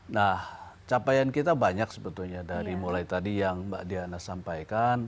nah capaian kita banyak sebetulnya dari mulai tadi yang mbak diana sampaikan